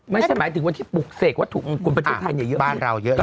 ไม่ใช่หมายถึงว่าที่ปลูกเสกว่าถูกกลุ่มประเทศไทยเยอะบ้านเราเยอะสุด